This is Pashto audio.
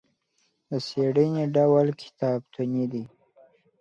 د څېړنې ډول کتابتوني دی.